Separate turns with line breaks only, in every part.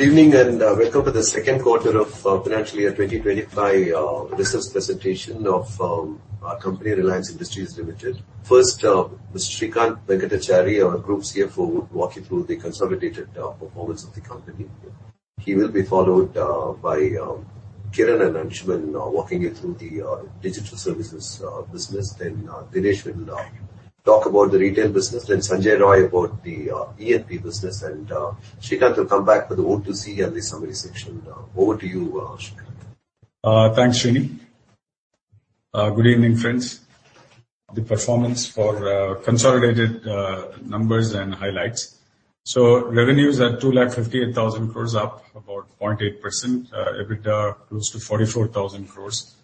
Good evening, and welcome to the second quarter of financial year 2025 results presentation of our company, Reliance Industries Limited. First, Mr. Srikanth Venkatachari, our Group CFO, will walk you through the consolidated performance of the company. He will be followed by Kiran and Anshuman walking you through the digital services business. Then, Dinesh will talk about the retail business, then Sanjay Roy about the E&P business, and Srikanth will come back for the O2C and the summary section. Over to you, Srikanth.
Thanks, Srini. Good evening, friends. The performance for consolidated numbers and highlights. So revenues are 2 lakh 58,000 crores, up about 0.8%. EBITDA close to 44,000 crores,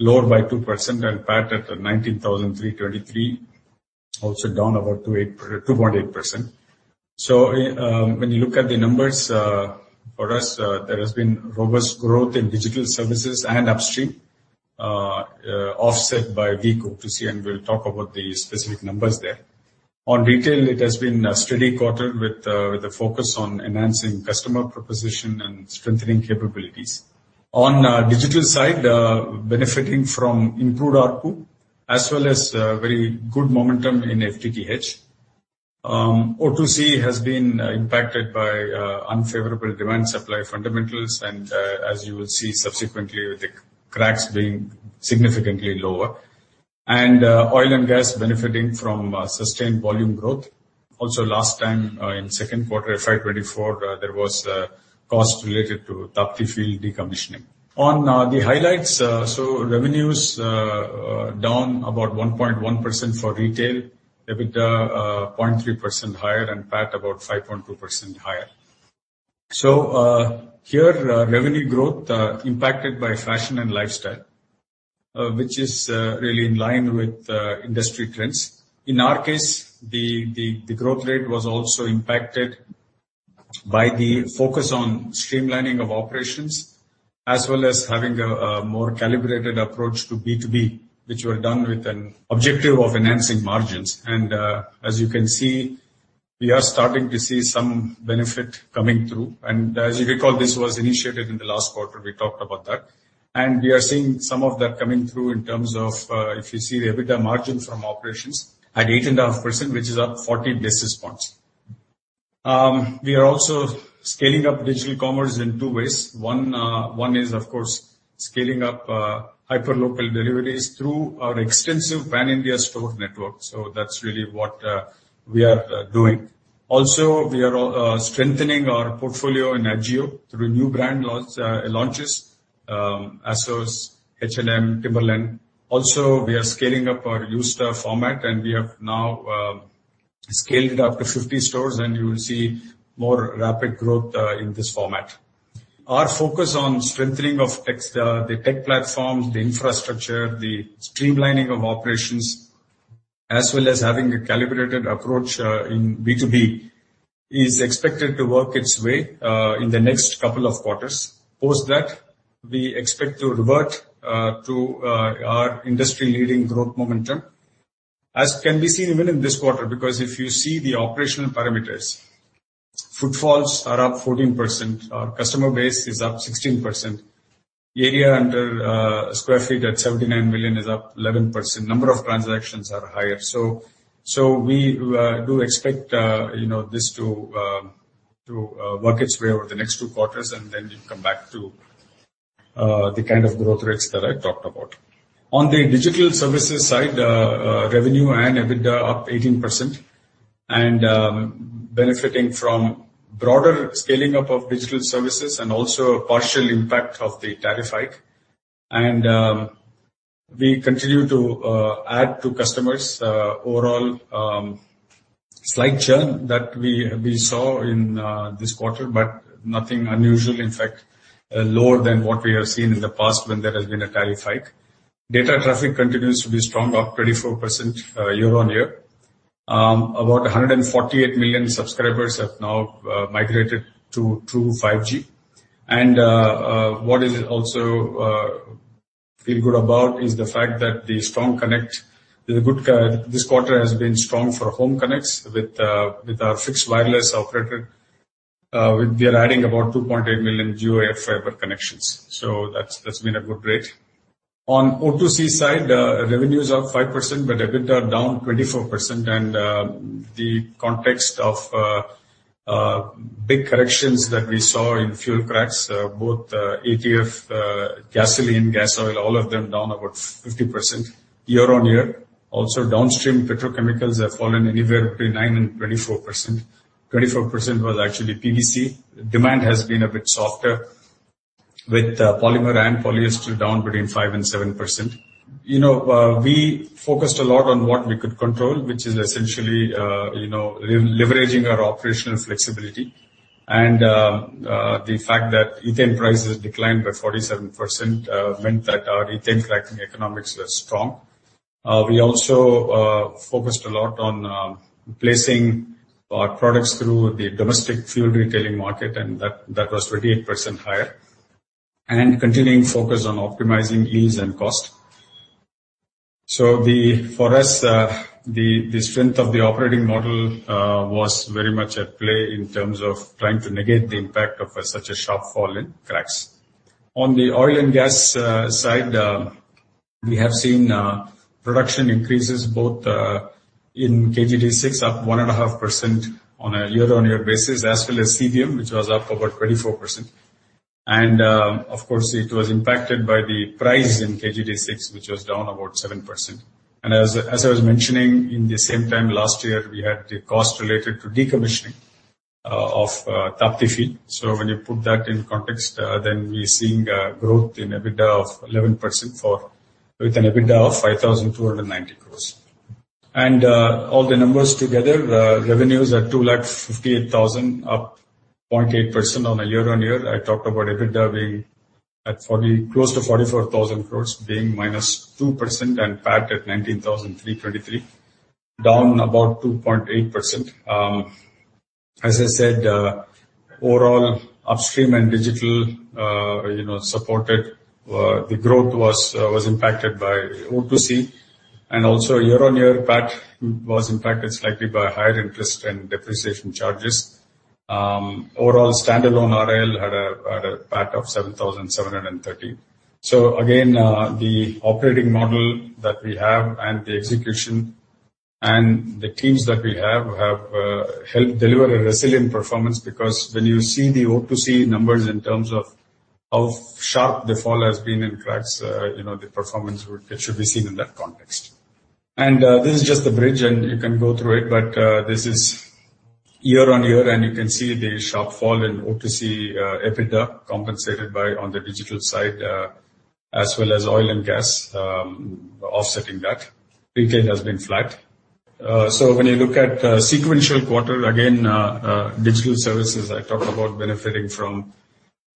lower by 2%, and PAT at 19,333, also down about 2.8%. So, when you look at the numbers, for us, there has been robust growth in digital services and upstream, offset by weak O2C, and we'll talk about the specific numbers there. On retail, it has been a steady quarter with a focus on enhancing customer proposition and strengthening capabilities. On digital side, benefiting from improved ARPU, as well as very good momentum in FTTH. O2C has been impacted by unfavorable demand-supply fundamentals, and as you will see subsequently, with the cracks being significantly lower. Oil and gas benefiting from sustained volume growth. Also, last time in second quarter of FY 2024, there was costs related to Tapti Field decommissioning. On the highlights, revenues are down about 1.1% for retail, EBITDA 0.3% higher, and PAT about 5.2% higher. Here, revenue growth impacted by fashion and lifestyle, which is really in line with industry trends. In our case, the growth rate was also impacted by the focus on streamlining of operations, as well as having a more calibrated approach to B2B, which were done with an objective of enhancing margins. coming through. And as you can see, we are starting to see some benefit coming through. And as you recall, this was initiated in the last quarter. We talked about that. And we are seeing some of that coming through in terms of, if you see the EBITDA margin from operations at 8.5%, which is up 40 basis points. We are also scaling up digital commerce in two ways. One is, of course, scaling up hyperlocal deliveries through our extensive pan-India store network. So that's really what we are doing. Also, we are strengthening our portfolio in Ajio through new brand launches, ASOS, H&M, Timberland. Also, we are scaling up our used stuff format, and we have now scaled it up to 50 stores, and you will see more rapid growth in this format. Our focus on strengthening of the tech platforms, the infrastructure, the streamlining of operations, as well as having a calibrated approach in B2B, is expected to work its way in the next couple of quarters. Post that, we expect to revert to our industry-leading growth momentum, as can be seen even in this quarter. Because if you see the operational parameters, footfalls are up 14%, our customer base is up 16%. The area under sq ft at 79 million is up 11%. Number of transactions are higher. So we do expect, you know, this to work its way over the next two quarters, and then we come back to the kind of growth rates that I talked about. On the digital services side, revenue and EBITDA up 18% and benefiting from broader scaling up of digital services and also a partial impact of the tariff hike. We continue to add customers overall, slight churn that we saw in this quarter, but nothing unusual, in fact, lower than what we have seen in the past when there has been a tariff hike. Data traffic continues to be strong, up 24% year on year. About 148 million subscribers have now migrated to 5G. What we also feel good about is the fact that this quarter has been strong for home connects with our fixed wireless operator. We are adding about 2.8 million Jio AirFiber connections, so that's been a good rate. On O2C side, revenues are up 5%, but EBITDA down 24%. The context of big corrections that we saw in fuel cracks, both ATF, gasoline, gas oil, all of them down about 50% year on year. Also, downstream petrochemicals have fallen anywhere between 9% and 24%. 24% was actually PVC. Demand has been a bit softer, with polymer and polyester down between 5% and 7%. You know, we focused a lot on what we could control, which is essentially, you know, leveraging our operational flexibility. The fact that ethane prices declined by 47% meant that our ethane cracking economics were strong. We also focused a lot on placing our products through the domestic fuel retailing market, and that was 28% higher. And continuing focus on optimizing yields and cost. For us, the strength of the operating model was very much at play in terms of trying to negate the impact of such a sharp fall in cracks. On the oil and gas side, we have seen production increases both in KG-D6, up 1.5% on a year-on-year basis, as well as CBM, which was up about 24%. And of course, it was impacted by the price in KG-D6, which was down about 7%. And as I was mentioning, in the same time last year, we had the cost related to decommissioning of Tapti field. So when you put that in context, then we're seeing growth in EBITDA of 11% with an EBITDA of 5,290 crores. And all the numbers together, revenues are 2 lakh 58,000, up 0.8% on a year-on-year. I talked about EBITDA being at 40, close to 44,000 crores, being -2%, and PAT at 19,323, down about 2.8%. As I said, overall, upstream and digital, you know, supported, the growth was impacted by O2C, and also year-on-year PAT was impacted slightly by higher interest and depreciation charges. Overall, standalone RL had a PAT of 7,730. So again, the operating model that we have and the execution and the teams that we have have helped deliver a resilient performance, because when you see the O2C numbers in terms of how sharp the fall has been in cracks, you know, it should be seen in that context. And this is just a bridge, and you can go through it, but this is year-on-year, and you can see the sharp fall in O2C EBITDA, compensated by on the digital side as well as oil and gas offsetting that. Retail has been flat. When you look at sequential quarter, again, digital services I talked about benefiting from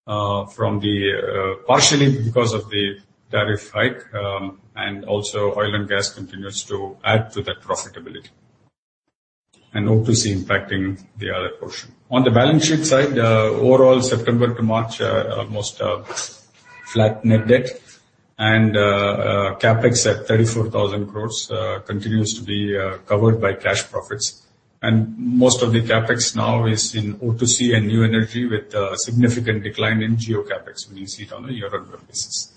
the partially because of the tariff hike and also oil and gas continues to add to that profitability. O2C impacting the other portion. On the balance sheet side, overall, September to March, almost flat net debt and CapEx at 34,000 crores continues to be covered by cash profits. Most of the CapEx now is in O2C and new energy, with a significant decline in Jio CapEx when you see it on a year-on-year basis.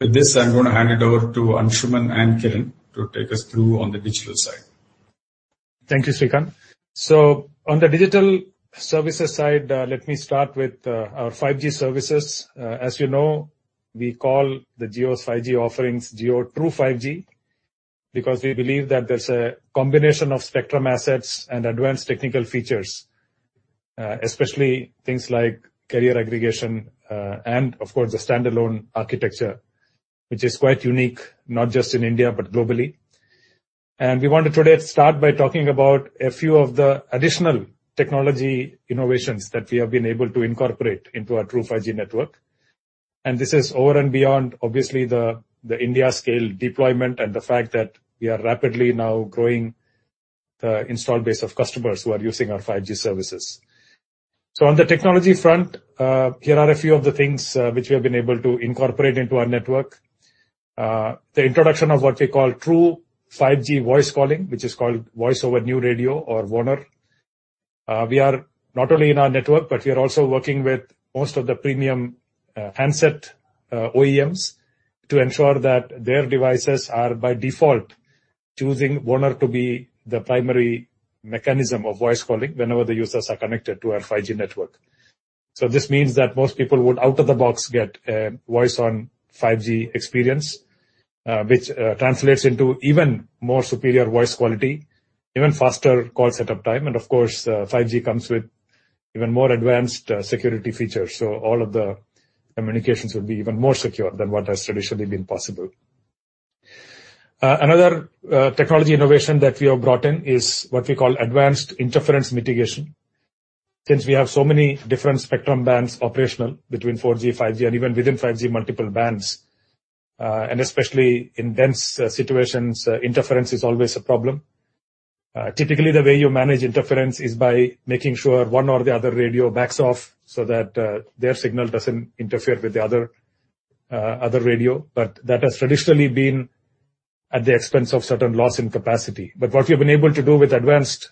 With this, I'm going to hand it over to Anshuman and Kiran to take us through on the digital side.
Thank you, Srikanth. So on the digital services side, let me start with our 5G services. As you know, we call Jio's 5G offerings Jio True 5G, because we believe that there's a combination of spectrum assets and advanced technical features, especially things like carrier aggregation, and of course, the standalone architecture, which is quite unique, not just in India, but globally. And we want to today start by talking about a few of the additional technology innovations that we have been able to incorporate into our True 5G network. And this is over and beyond, obviously, the India scale deployment and the fact that we are rapidly now growing the installed base of customers who are using our 5G services. So on the technology front, here are a few of the things which we have been able to incorporate into our network. The introduction of what we call True 5G voice calling, which is called Voice over New Radio or VoNR. We are not only in our network, but we are also working with most of the premium handset OEMs to ensure that their devices are by default choosing VoNR to be the primary mechanism of voice calling whenever the users are connected to our 5G network. So this means that most people would, out of the box, get voice on 5G experience, which translates into even more superior voice quality, even faster call set-up time. And of course, 5G comes with even more advanced security features, so all of the communications will be even more secure than what has traditionally been possible. Another technology innovation that we have brought in is what we call advanced interference mitigation. Since we have so many different spectrum bands operational between 4G, 5G, and even within 5G multiple bands, and especially in dense situations, interference is always a problem. Typically, the way you manage interference is by making sure one or the other radio backs off, so that their signal doesn't interfere with the other radio. But that has traditionally been at the expense of certain loss in capacity. But what we've been able to do with advanced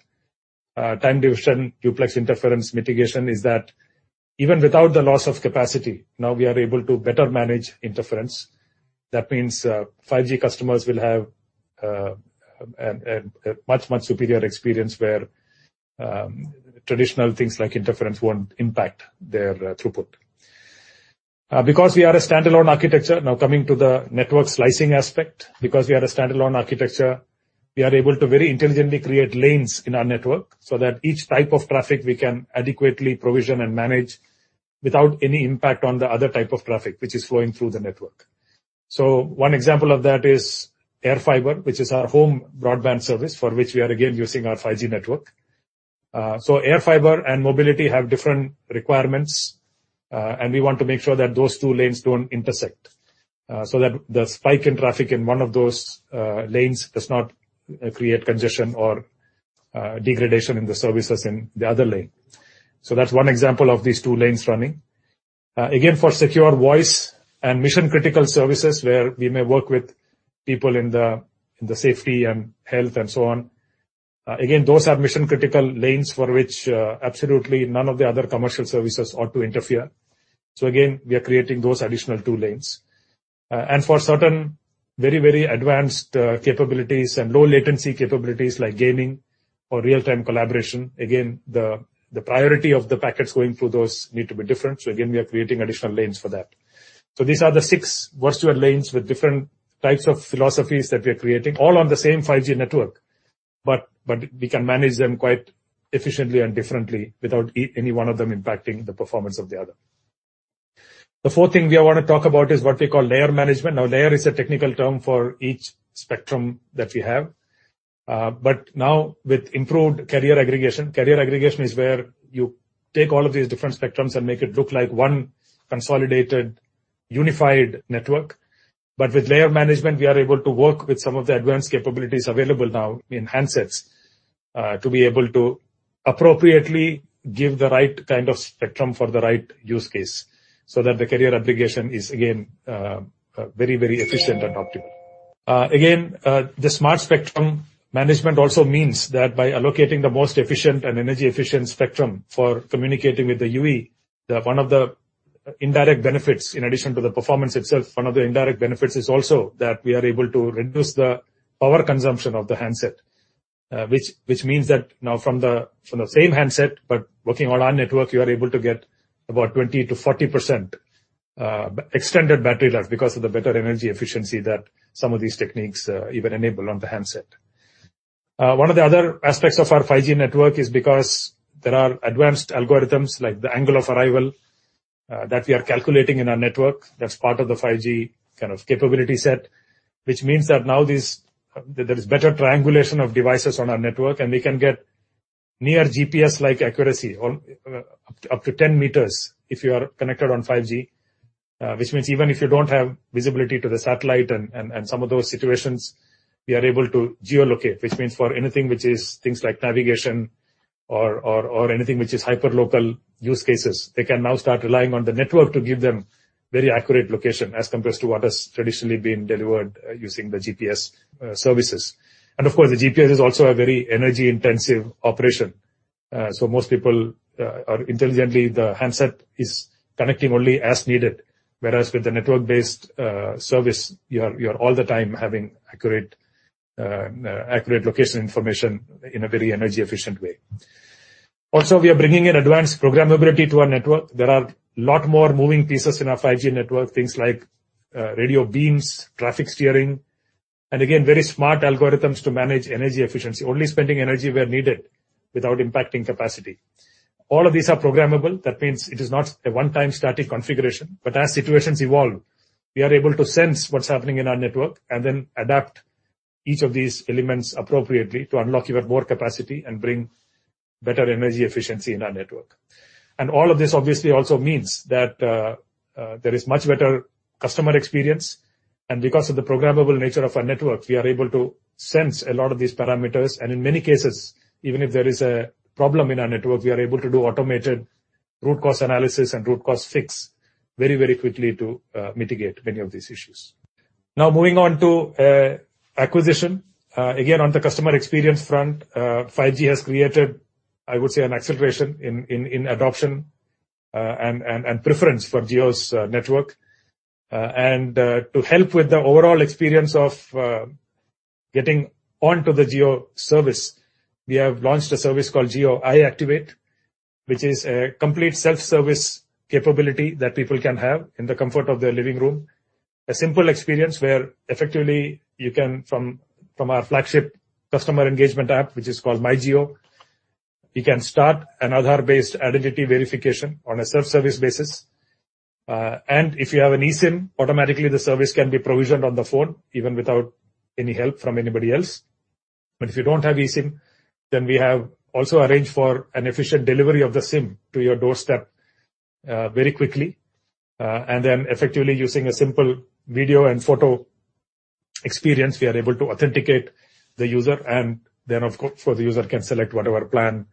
time division duplex interference mitigation is that even without the loss of capacity, now we are able to better manage interference. That means 5G customers will have a much, much superior experience, where traditional things like interference won't impact their throughput. Because we are a standalone architecture, now coming to the network slicing aspect, because we are a standalone architecture, we are able to very intelligently create lanes in our network, so that each type of traffic we can adequately provision and manage without any impact on the other type of traffic, which is flowing through the network. So one example of that is AirFiber, which is our home broadband service, for which we are again using our 5G network. So AirFiber and mobility have different requirements, and we want to make sure that those two lanes don't intersect, so that the spike in traffic in one of those lanes does not create congestion or degradation in the services in the other lane. So that's one example of these two lanes running. Again, for secure voice and mission-critical services, where we may work with people in the safety and health, and so on. Again, those are mission-critical lanes for which absolutely none of the other commercial services ought to interfere. So again, we are creating those additional two lanes. And for certain very, very advanced capabilities and low latency capabilities like gaming or real-time collaboration, again, the priority of the packets going through those need to be different. So again, we are creating additional lanes for that. These are the six virtual lanes with different types of philosophies that we are creating, all on the same 5G network. But we can manage them quite efficiently and differently without any one of them impacting the performance of the other. The fourth thing we want to talk about is what we call layer management. Now, layer is a technical term for each spectrum that we have. But now with improved carrier aggregation. Carrier aggregation is where you take all of these different spectrums and make it look like one consolidated, unified network. But with layer management, we are able to work with some of the advanced capabilities available now in handsets, to be able to appropriately give the right kind of spectrum for the right use case, so that the carrier aggregation is again, very, very efficient and optimal. The smart spectrum management also means that by allocating the most efficient and energy-efficient spectrum for communicating with the UE, the one of the indirect benefits, in addition to the performance itself, one of the indirect benefits is also that we are able to reduce the power consumption of the handset. Which means that now from the same handset, but working on our network, you are able to get about 20-40% extended battery life because of the better energy efficiency that some of these techniques even enable on the handset. One of the other aspects of our 5G network is because there are advanced algorithms, like the angle of arrival, that we are calculating in our network. That's part of the 5G kind of capability set, which means that now these... There is better triangulation of devices on our network, and we can get near GPS-like accuracy or up to ten meters if you are connected on 5G. Which means even if you don't have visibility to the satellite and some of those situations, we are able to geolocate, which means for anything which is things like navigation or anything which is hyperlocal use cases, they can now start relying on the network to give them very accurate location as compared to what has traditionally been delivered using the GPS services. And of course, the GPS is also a very energy-intensive operation. So most people are intelligently, the handset is connecting only as needed, whereas with the network-based service, you are all the time having accurate location information in a very energy-efficient way. Also, we are bringing in advanced programmability to our network. There are a lot more moving pieces in our 5G network, things like, radio beams, traffic steering, and again, very smart algorithms to manage energy efficiency, only spending energy where needed without impacting capacity. All of these are programmable. That means it is not a one-time static configuration, but as situations evolve, we are able to sense what's happening in our network and then adapt each of these elements appropriately to unlock even more capacity and bring better energy efficiency in our network. And all of this obviously also means that, there is much better customer experience, and because of the programmable nature of our network, we are able to sense a lot of these parameters, and in many cases, even if there is a problem in our network, we are able to do automated root cause analysis and root cause fix very, very quickly to, mitigate many of these issues. Now, moving on to, acquisition. Again, on the customer experience front, 5G has created, I would say, an acceleration in, adoption, and preference for Jio's, network. And, to help with the overall experience of, getting onto the Jio service, we have launched a service called Jio iActivate, which is a complete self-service capability that people can have in the comfort of their living room. A simple experience where effectively you can, from our flagship customer engagement app, which is called myJio, you can start an Aadhaar-based identity verification on a self-service basis. And if you have an eSIM, automatically the service can be provisioned on the phone, even without any help from anybody else. But if you don't have eSIM, then we have also arranged for an efficient delivery of the SIM to your doorstep, very quickly. And then effectively, using a simple video and photo experience, we are able to authenticate the U.S.er, and then, of course, the U.S.er can select whatever plan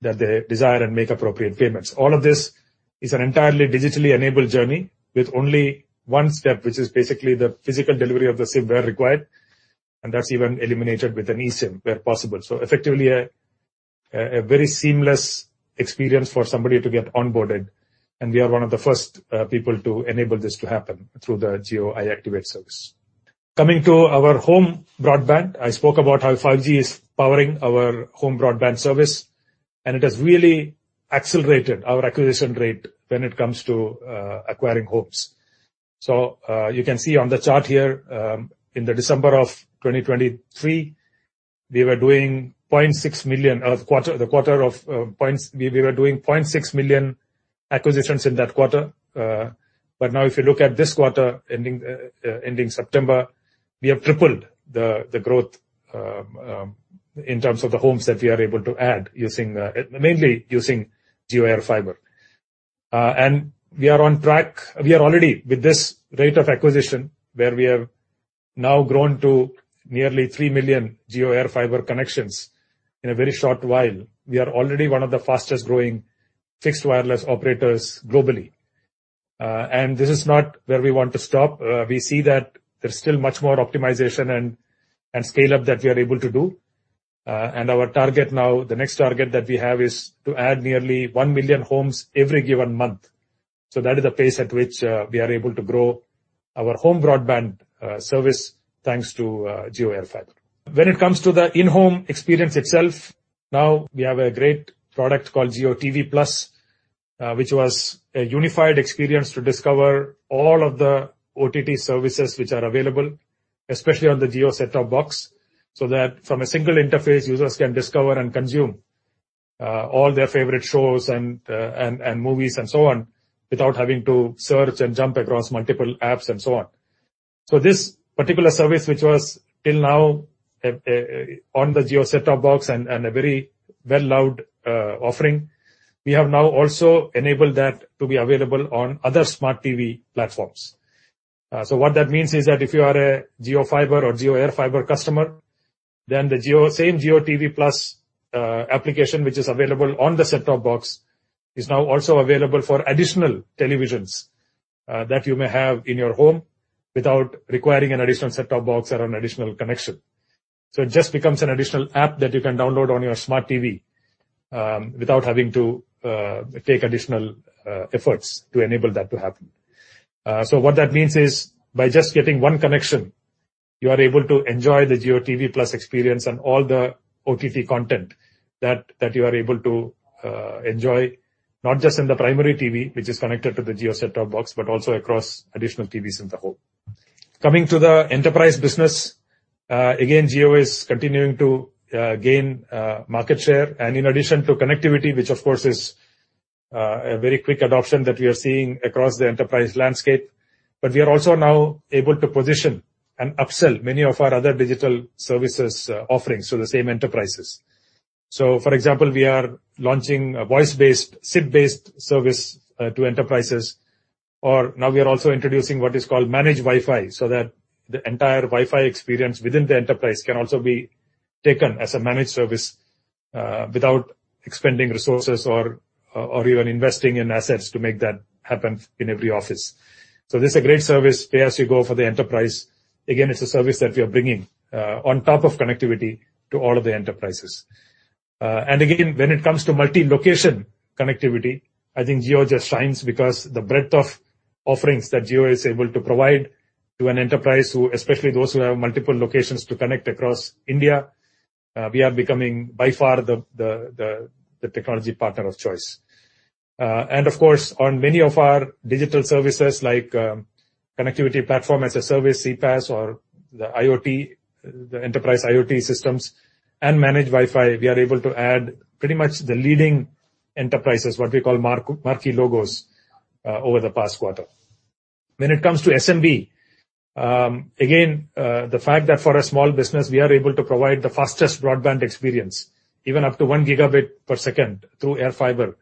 that they desire and make appropriate payments. All of this is an entirely digitally enabled journey with only one step, which is basically the physical delivery of the SIM where required, and that's even eliminated with an eSIM where possible. Effectively, a very seamless experience for somebody to get onboarded, and we are one of the first people to enable this to happen through the Jio iActivate service. Coming to our home broadband, I spoke about how 5G is powering our home broadband service, and it has really accelerated our acquisition rate when it comes to acquiring homes. You can see on the chart here, in December of 2023, we were doing 0.6 million acquisitions in that quarter. But now, if you look at this quarter ending September, we have tripled the growth in terms of the homes that we are able to add using mainly using Jio AirFiber. And we are on track. We are already with this rate of acquisition, where we have now grown to nearly three million Jio AirFiber connections in a very short while. We are already one of the fastest growing fixed wireless operators globally, and this is not where we want to stop. We see that there's still much more optimization and scale-up that we are able to do, and our target now, the next target that we have, is to add nearly one million homes every given month. So that is the pace at which we are able to grow our home broadband service, thanks to Jio AirFiber. When it comes to the in-home experience itself, now we have a great product called JioTV+, which was a unified experience to discover all of the OTT services which are available, especially on the Jio set-top box. So that from a single interface, users can discover and consume all their favorite shows and movies and so on, without having to search and jump across multiple apps and so on. So this particular service, which was till now on the Jio set-top box and a very well-loved offering, we have now also enabled that to be available on other smart TV platforms. So what that means is that if you are a Jio Fiber or Jio Air Fiber customer, then the same JioTV+ application, which is available on the set-top box, is now also available for additional televisions that you may have in your home without requiring an additional set-top box or an additional connection. So it just becomes an additional app that you can download on your smart TV, without having to take additional efforts to enable that to happen, so what that means is, by just getting one connection, you are able to enjoy the JioTV+ experience and all the OTT content that you are able to enjoy, not just in the primary TV, which is connected to the Jio set-top box, but also across additional TVs in the home. Coming to the enterprise business, again, Jio is continuing to gain market share and in addition to connectivity, which of course is a very quick adoption that we are seeing across the enterprise landscape, but we are also now able to position and upsell many of our other digital services offerings to the same enterprises. So, for example, we are launching a voice-based, SIP-based service to enterprises, or now we are also introducing what is called Managed Wi-Fi. So that the entire Wi-Fi experience within the enterprise can also be taken as a managed service without expending resources or even investing in assets to make that happen in every office. So this is a great service, pay-as-you-go for the enterprise. Again, it's a service that we are bringing on top of connectivity to all of the enterprises. And again, when it comes to multi-location connectivity, I think Jio just shines because the breadth of offerings that Jio is able to provide to an enterprise, especially those who have multiple locations to connect across India, we are becoming by far the technology partner of choice. And of course, on many of our digital services, like Communications Platform as a Service, CPaaS, or the IoT, the enterprise IoT systems, and Managed Wi-Fi, we are able to add pretty much the leading enterprises, what we call marquee logos, over the past quarter. When it comes to SMB, again, the fact that for a small business, we are able to provide the fastest broadband experience, even up to one gigabit per second through Jio AirFiber,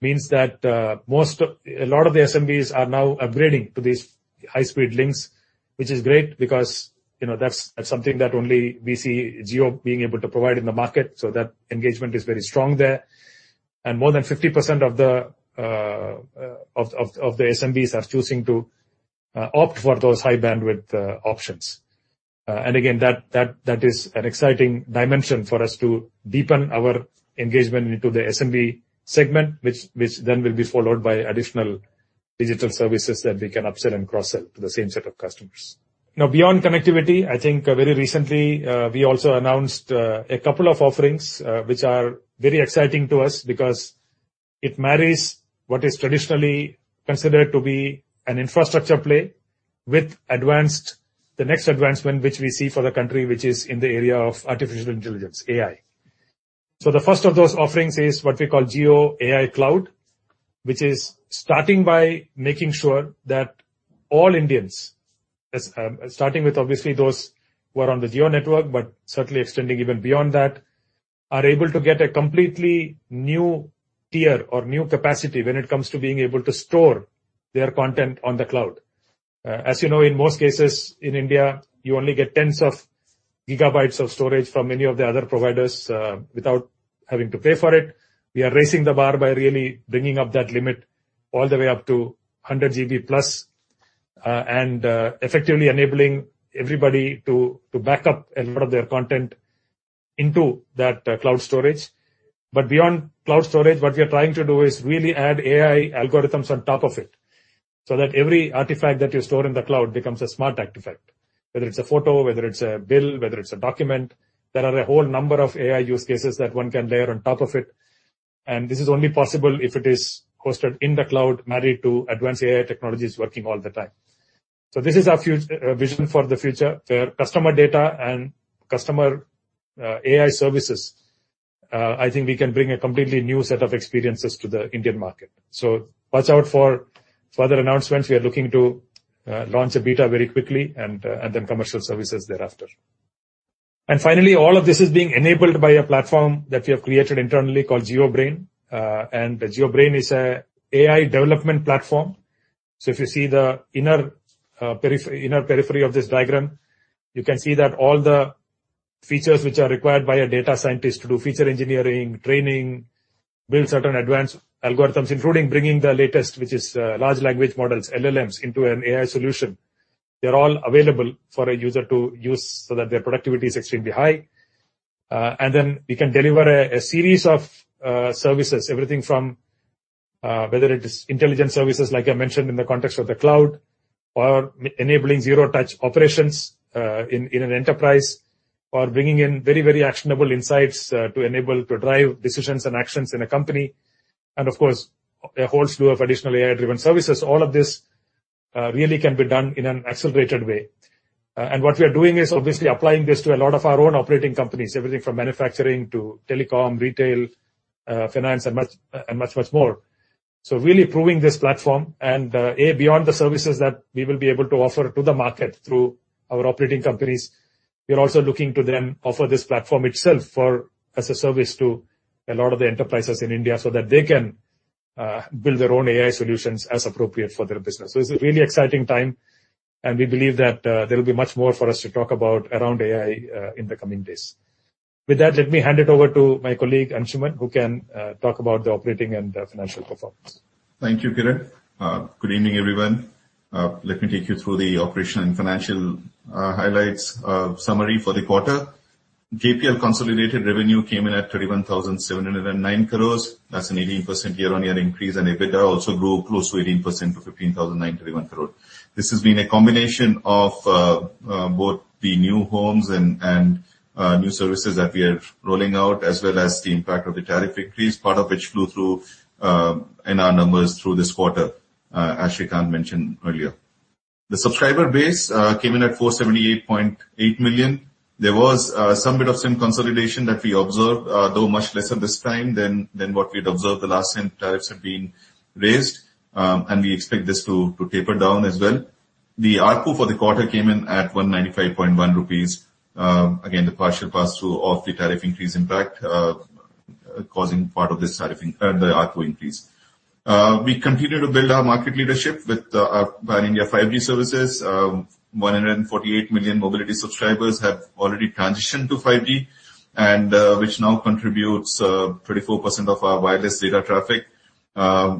means that a lot of the SMBs are now upgrading to these high-speed links, which is great because, you know, that's something that only we see Jio being able to provide in the market, so that engagement is very strong there. And more than 50% of the SMBs are choosing to opt for those high-bandwidth options. And again, that is an exciting dimension for us to deepen our engagement into the SMB segment, which then will be followed by additional digital services that we can upsell and cross-sell to the same set of customers. Now, beyond connectivity, I think very recently we also announced a couple of offerings, which are very exciting to us because it marries what is traditionally considered to be an infrastructure play with advanced, the next advancement, which we see for the country, which is in the area of artificial intelligence, AI. The first of those offerings is what we call JioAI Cloud, which is starting by making sure that all Indians, starting with obviously those who are on the Jio network, but certainly extending even beyond that, are able to get a completely new tier or new capacity when it comes to being able to store their content on the cloud. As you know, in most cases in India, you only get tens of gigabytes of storage from any of the other providers without having to pay for it. We are raising the bar by really bringing up that limit all the way up to 100 GB plus and effectively enabling everybody to back up a lot of their content into that cloud storage. But beyond cloud storage, what we are trying to do is really add AI algorithms on top of it, so that every artifact that you store in the cloud becomes a smart artifact. Whether it's a photo, whether it's a bill, whether it's a document, there are a whole number of AI use cases that one can layer on top of it, and this is only possible if it is hosted in the cloud, married to advanced AI technologies working all the time. So this is our vision for the future, where customer data and customer AI services, I think we can bring a completely new set of experiences to the Indian market. So watch out for further announcements. We are looking to launch a beta very quickly and then commercial services thereafter. Finally, all of this is being enabled by a platform that we have created internally called Jio Brain. The Jio Brain is an AI development platform. So if you see the inner periphery of this diagram, you can see that all the features which are required by a data scientist to do feature engineering, training, build certain advanced algorithms, including bringing the latest, which is large language models, LLMs, into an AI solution. They're all available for a user to use so that their productivity is extremely high. Then we can deliver a series of services, everything from whether it is intelligence services, like I mentioned in the context of the cloud, or enabling zero-touch operations in an enterprise or bringing in very, very actionable insights to enable to drive decisions and actions in a company, and of course, a whole slew of additional AI-driven services. All of this really can be done in an accelerated way. And what we are doing is obviously applying this to a lot of our own operating companies, everything from manufacturing to telecom, retail, finance, and much, and much, much more. So really proving this platform and, beyond the services that we will be able to offer to the market through our operating companies, we are also looking to then offer this platform itself for as a service to a lot of the enterprises in India, so that they can build their own AI solutions as appropriate for their business. So it's a really exciting time, and we believe that there will be much more for us to talk about around AI in the coming days. With that, let me hand it over to my colleague, Anshuman, who can talk about the operating and financial performance.
Thank you, Kiran. Good evening, everyone. Let me take you through the operational and financial highlights summary for the quarter. JPL consolidated revenue came in at 31,709 crores. That's an 18% year-on-year increase, and EBITDA also grew close to 18% to 15,931 crore. This has been a combination of both the new homes and new services that we are rolling out, as well as the impact of the tariff increase, part of which flew through in our numbers through this quarter, as Srikanth mentioned earlier. The subscriber base came in at 478.8 million. There was some bit of SIM consolidation that we observed, though much lesser this time than what we'd observed the last time tariffs have been raised. We expect this to taper down as well. The ARPU for the quarter came in at 195.1 rupees. Again, the partial pass-through of the tariff increase impact causing part of this, the ARPU increase. We continue to build our market leadership with our India 5G services. 148 million mobility subscribers have already transitioned to 5G, and which now contributes 24% of our wireless data traffic. We are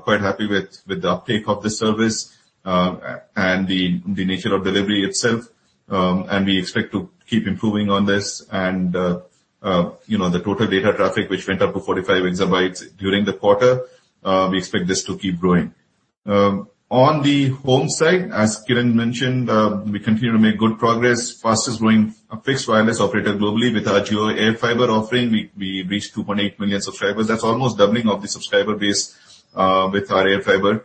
quite happy with the uptake of the service and the nature of delivery itself. We expect to keep improving on this and you know, the total data traffic, which went up to 45 exabytes during the quarter. We expect this to keep growing. On the home side, as Kiran mentioned, we continue to make good progress. Fastest growing fixed wireless operator globally with our Jio AirFiber offering. We reached 2.8 million subscribers. That's almost doubling of the subscriber base with our AirFiber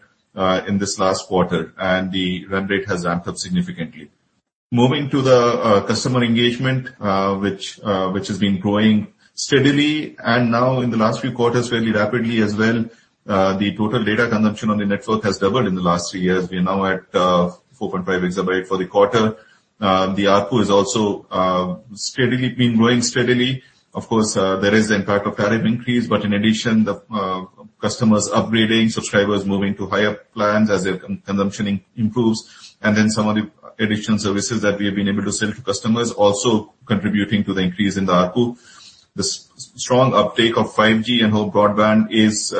in this last quarter, and the run rate has ramped up significantly. Moving to the customer engagement, which has been growing steadily and now in the last few quarters, fairly rapidly as well. The total data consumption on the network has doubled in the last three years. We are now at 4.5 exabytes for the quarter. The ARPU is also steadily been growing steadily. Of course, there is the impact of tariff increase, but in addition, the customers upgrading, subscribers moving to higher plans as their consumption improves, and then some of the additional services that we have been able to sell to customers, also contributing to the increase in the ARPU. The strong uptake of 5G and home broadband is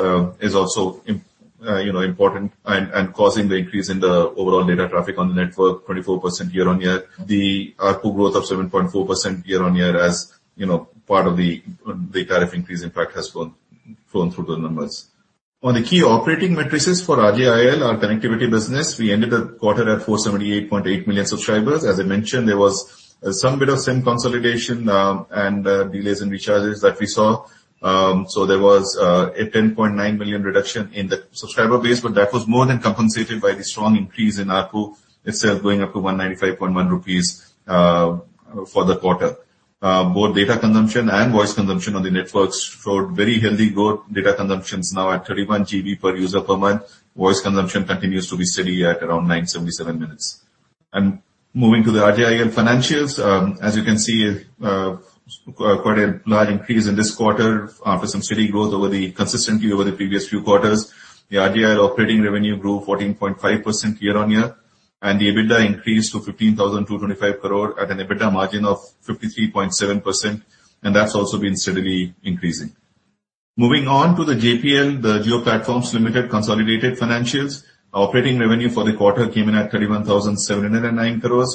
also, you know, important and causing the increase in the overall data traffic on the network, 24% year-on-year. The ARPU growth of 7.4% year-on-year, as you know, part of the tariff increase, in fact, has flown through the numbers. On the key operating matrices for RJIL, our connectivity business, we ended the quarter at 478.8 million subscribers. As I mentioned, there was some bit of SIM consolidation, and delays in recharges that we saw. So there was a 10.9 million reduction in the subscriber base, but that was more than compensated by the strong increase in ARPU itself, going up to 195.1 rupees for the quarter. Both data consumption and voice consumption on the networks showed very healthy growth. Data consumption is now at 31 GB per user per month. Voice consumption continues to be steady at around 977 minutes, and moving to the RJIL financials. As you can see, quite a large increase in this quarter after some steady growth consistently over the previous few quarters. The RJIL operating revenue grew 14.5% year-on-year, and the EBITDA increased to 15,225 crore at an EBITDA margin of 53.7%, and that's also been steadily increasing. Moving on to the JPL, the Jio Platforms Limited consolidated financials. Operating revenue for the quarter came in at 31,709 crore,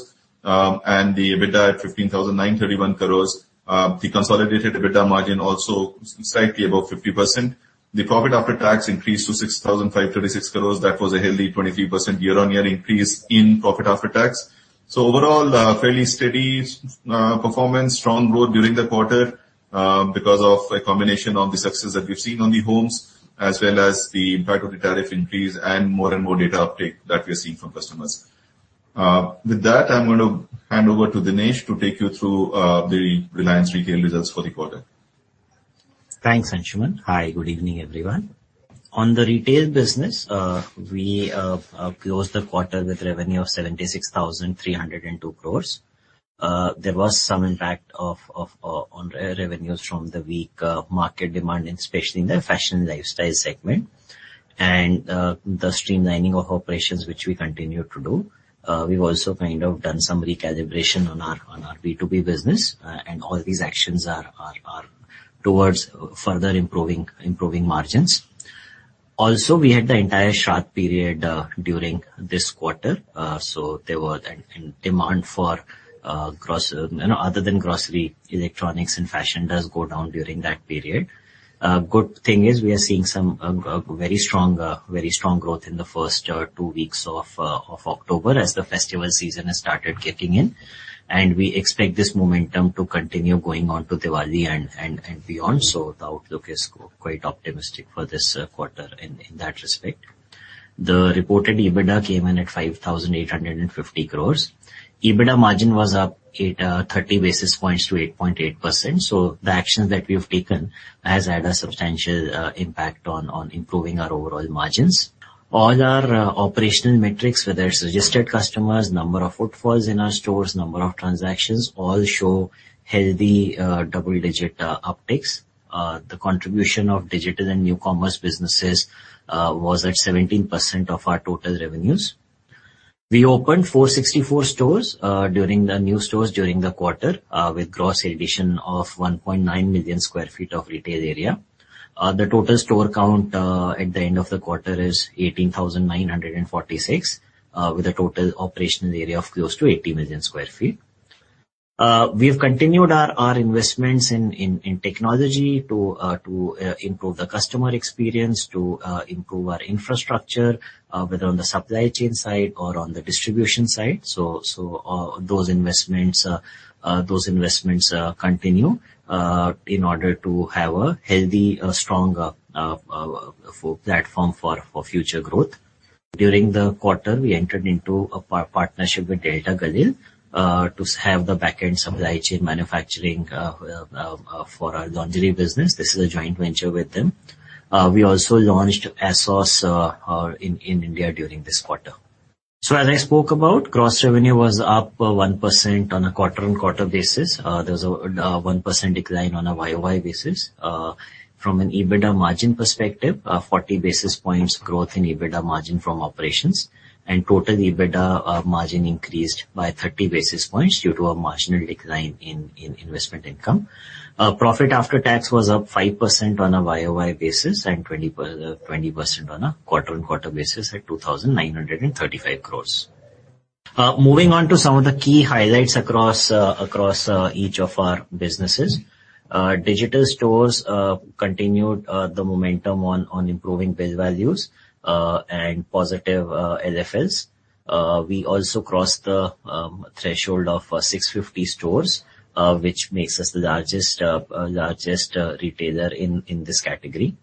and the EBITDA at 15,931 crore. The consolidated EBITDA margin, also slightly above 50%. The profit after tax increased to 6,536 crore. That was a healthy 23% year-on-year increase in profit after tax. So overall, fairly steady performance, strong growth during the quarter, because of a combination of the success that we've seen on the homes, as well as the impact of the tariff increase and more and more data uptake that we're seeing from customers. With that, I'm going to hand over to Dinesh to take you through the Reliance Retail results for the quarter.
...Thanks, Anshuman. Hi, good evening, everyone. On the retail business, we closed the quarter with revenue of 76,302 crore. There was some impact on revenues from the weak market demand, especially in the fashion and lifestyle segment, and the streamlining of operations, which we continue to do. We've also kind of done some recalibration on our B2B business, and all these actions are towards further improving margins. Also, we had the entire Shraddh period during this quarter. So there was a demand for groceries. You know, other than grocery, electronics and fashion does go down during that period. Good thing is we are seeing some very strong growth in the first two weeks of October as the festival season has started kicking in, and we expect this momentum to continue going on to Diwali and beyond. So the outlook is quite optimistic for this quarter in that respect. The reported EBITDA came in at 5,850 crores. EBITDA margin was up 30 basis points to 8.8%. So the actions that we have taken has had a substantial impact on improving our overall margins. All our operational metrics, whether it's registered customers, number of footfalls in our stores, number of transactions, all show healthy double-digit upticks. The contribution of digital and New Commerce businesses was at 17% of our total revenues. We opened 464 new stores during the quarter with gross addition of 1.9 million sq ft of retail area. The total store count at the end of the quarter is 18,946 with a total operational area of close to 80 million sq ft. We've continued our investments in technology to improve the customer experience, to improve our infrastructure, whether on the supply chain side or on the distribution side. So, those investments continue in order to have a healthy, strong platform for future growth. During the quarter, we entered into a partnership with Delta Galil to have the back-end supply chain manufacturing for our lingerie business. This is a joint venture with them. We also launched ASOS in India during this quarter. So as I spoke about, gross revenue was up 1% on a quarter-on-quarter basis. There was a 1% decline on a YOY basis. From an EBITDA margin perspective, 40 basis points growth in EBITDA margin from operations, and total EBITDA margin increased by 30 basis points due to a marginal decline in investment income. Profit after tax was up 5% on a YOY basis and 20% on a quarter-on-quarter basis at 2,935 crore. Moving on to some of the key highlights across each of our businesses. Digital stores continued the momentum on improving bill values and positive LFLs. We also crossed the threshold of 650 stores, which makes us the largest retailer in this category.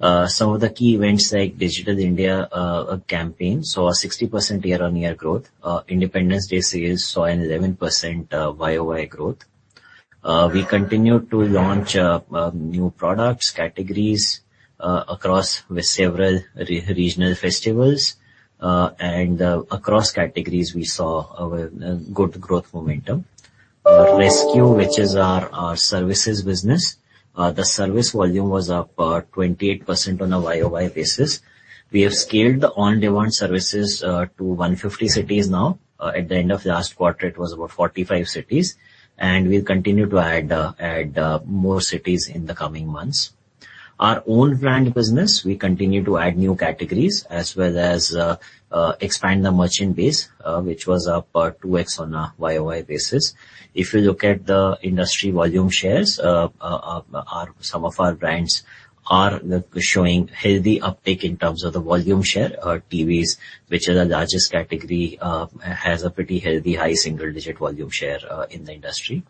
Some of the key events like Digital India campaign saw a 60% year-on-year growth. Independence Day sales saw an 11% YOY growth. We continued to launch new products, categories across several regional festivals and across categories, we saw a good growth momentum. resQ, which is our services business, the service volume was up 28% on a YOY basis. We have scaled the on-demand services to 150 cities now. At the end of last quarter, it was about 45 cities, and we'll continue to add more cities in the coming months. Our own brand business, we continue to add new categories, as well as expand the merchant base, which was up 2X on a YOY basis. If you look at the industry volume shares, some of our brands are showing healthy uptick in terms of the volume share. Our TVs, which are the largest category, has a pretty healthy, high single-digit volume share in the industry.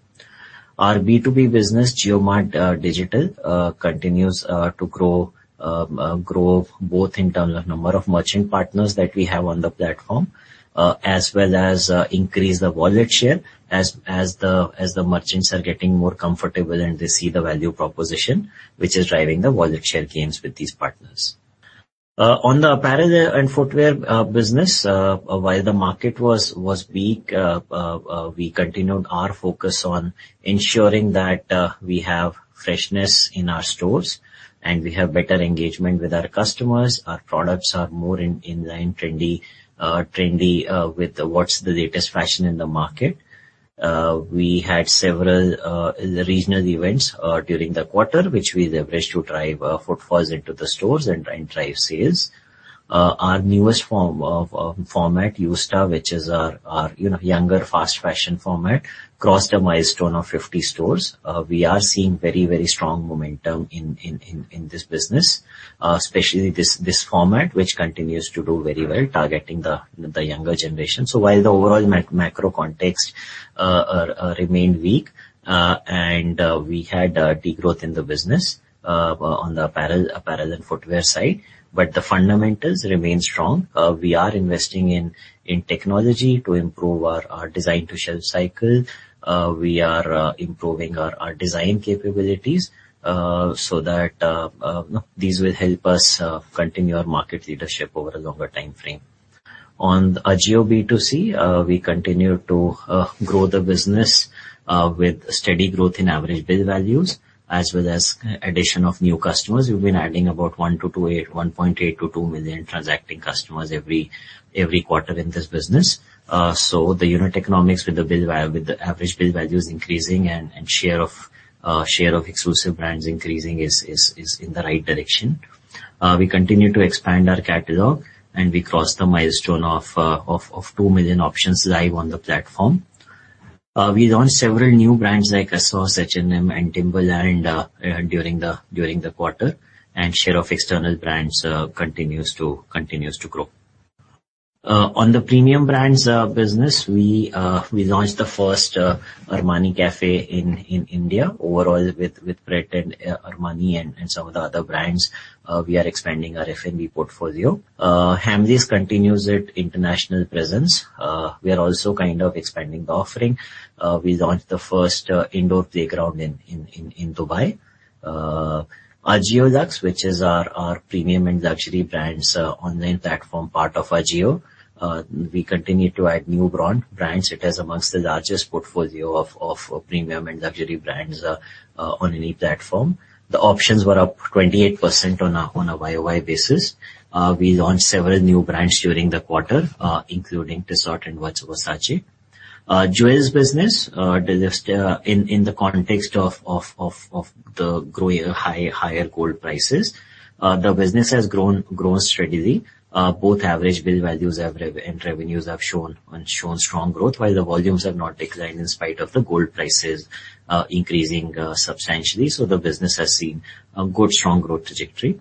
Our B2B business, JioMart Digital, continues to grow both in terms of number of merchant partners that we have on the platform, as well as increase the wallet share as the merchants are getting more comfortable and they see the value proposition, which is driving the wallet share gains with these partners. On the apparel and footwear business, while the market was weak, we continued our focus on ensuring that we have freshness in our stores and we have better engagement with our customers. Our products are more in line, trendy, with what's the latest fashion in the market. We had several regional events during the quarter, which we leveraged to drive footfalls into the stores and drive sales. Our newest form of format, Yousta, which is our, you know, younger, fast fashion format, crossed a milestone of 50 stores. We are seeing very, very strong momentum in this business, especially this format, which continues to do very well, targeting the younger generation. So while the overall macro context remained weak, and we had a degrowth in the business on the apparel and footwear side, but the fundamentals remain strong. We are investing in technology to improve our design-to-shelf cycle. We are improving our design capabilities so that these will help us continue our market leadership over a longer timeframe. On Ajio B2C, we continue to grow the business with steady growth in average bill values, as well as addition of new customers. We've been adding about 1.8 to 2 million transacting customers every quarter in this business. So the unit economics with the bill value, with the average bill values increasing and share of exclusive brands increasing is in the right direction. We continue to expand our catalog, and we crossed the milestone of 2 million options live on the platform. We launched several new brands like ASOS, H&M, and Timberland during the quarter, and share of external brands continues to grow. On the premium brands business, we launched the first Armani Café in India. Overall, with Pret and Armani and some of the other brands, we are expanding our F&B portfolio. Hamleys continues its international presence. We are also kind of expanding the offering. We launched the first indoor playground in Dubai. Ajio Luxe, which is our premium and luxury brands online platform, part of Ajio. We continue to add new brands. It is among the largest portfolio of premium and luxury brands on any platform. The options were up 28% on a YOY basis. We launched several new brands during the quarter, including Dessort and Versace. Jewels business deliver in the context of the growing higher gold prices, the business has grown steadily. Both average bill values, average, and revenues have shown strong growth, while the volumes have not declined in spite of the gold prices increasing substantially, so the business has seen a good strong growth trajectory.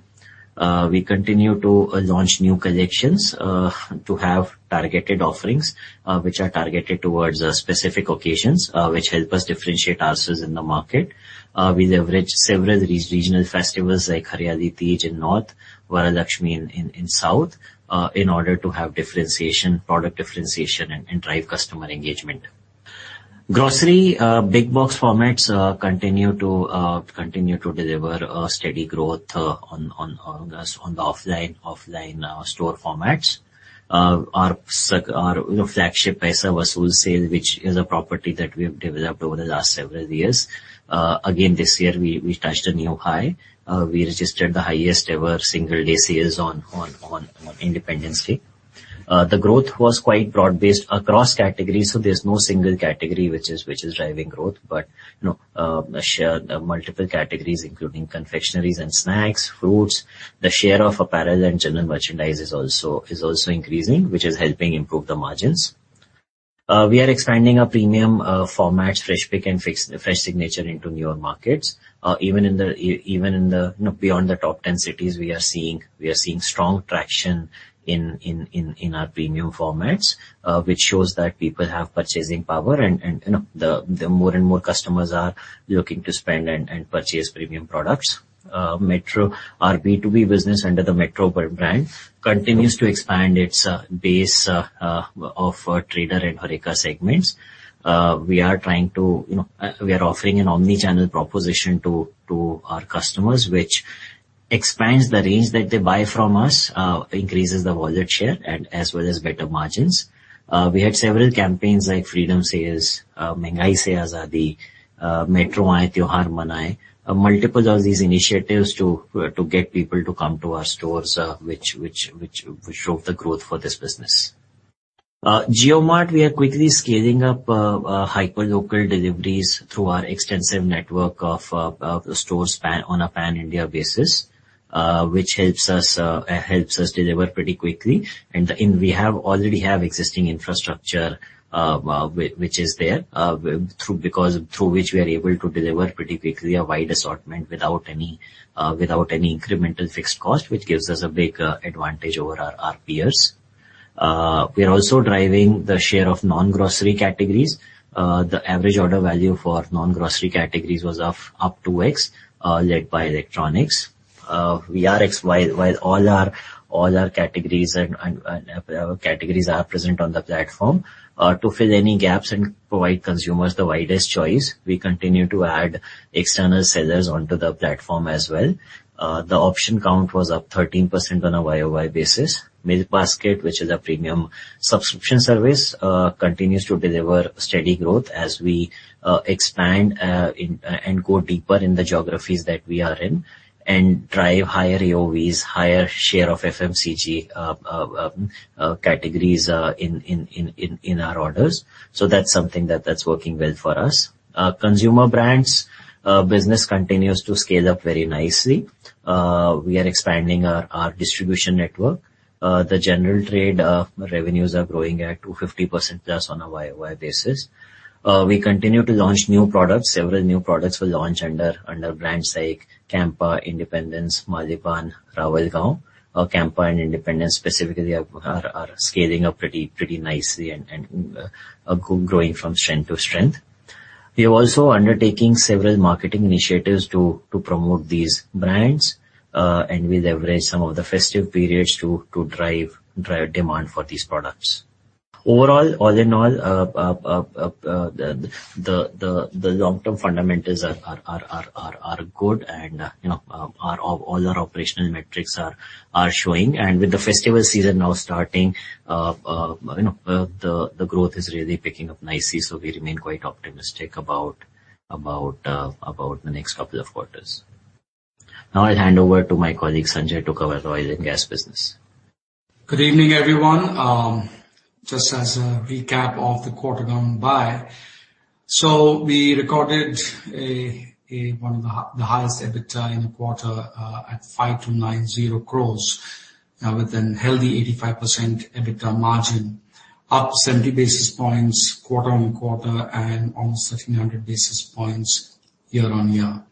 We continue to launch new collections to have targeted offerings, which are targeted towards specific occasions, which help us differentiate ourselves in the market. We leverage several regional festivals like Hariyali Teej in north, Varalakshmi in south, in order to have differentiation, product differentiation and drive customer engagement. Grocery big box formats continue to deliver a steady growth on the offline store formats. Our flagship Paisa Vasool sale, which is a property that we have developed over the last several years, again, this year, we touched a new high. We registered the highest ever single day sales on Independence Day. The growth was quite broad-based across categories, so there's no single category which is driving growth, but, you know, share multiple categories, including confectioneries and snacks, fruits. The share of apparel and general merchandise is also increasing, which is helping improve the margins. We are expanding our premium formats, Freshpik and Fresh Signature into newer markets. Even in the, you know, beyond the top ten cities, we are seeing strong traction in our premium formats, which shows that people have purchasing power and, you know, the more and more customers are looking to spend and purchase premium products. Metro, our B2B business under the Metro brand, continues to expand its base of Trader and HoReCa segments. We are offering an omni-channel proposition to our customers, which expands the range that they buy from us, increases the wallet share, and as well as better margins. We had several campaigns like Freedom Sales, Mehngai Se Azadi, Metro Aaye, Tyohar Manaye. Multiple of these initiatives to get people to come to our stores, which showed the growth for this business. JioMart, we are quickly scaling up hyper local deliveries through our extensive network of stores on a pan-India basis, which helps us deliver pretty quickly. We already have existing infrastructure, which is there, through which we are able to deliver pretty quickly a wide assortment without any incremental fixed cost, which gives us a big advantage over our peers. We are also driving the share of non-grocery categories. The average order value for non-grocery categories was of up to X, led by electronics. While all our categories are present on the platform, to fill any gaps and provide consumers the widest choice, we continue to add external sellers onto the platform as well. The option count was up 13% on a YOY basis. Milkbasket, which is a premium subscription service, continues to deliver steady growth as we expand and go deeper in the geographies that we are in, and drive higher AOVs, higher share of FMCG categories in our orders. So that's something that's working well for us. Consumer brands business continues to scale up very nicely. We are expanding our distribution network. The general trade revenues are growing at 250% plus on a YOY basis. We continue to launch new products. Several new products were launched under brands like Campa, Independence, Maliban, Ravalgaon. Campa and Independence specifically are scaling up pretty nicely and growing from strength to strength. We are also undertaking several marketing initiatives to promote these brands, and we leverage some of the festive periods to drive demand for these products. Overall, all in all, the long-term fundamentals are good, and you know, all our operational metrics are showing. With the festival season now starting, you know, the growth is really picking up nicely, so we remain quite optimistic about the next couple of quarters. Now I'll hand over to my colleague, Sanjay, to cover the oil and gas business.
Good evening, everyone. Just as a recap of the quarter gone by, so we recorded one of the highest EBITDA in the quarter at 5,290 crores with an healthy 85% EBITDA margin, up seventy basis points quarter on quarter, and almost 1300 basis points year on year.